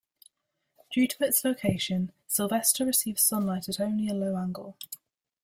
Due to its location, Sylvester receives sunlight at only a low angle.